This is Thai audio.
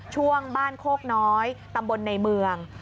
ช่วงบ้านโคกน้อยตำบลในเมือง